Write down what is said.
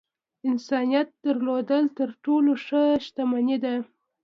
انسانيت درلودل تر ټولو ښۀ شتمني ده .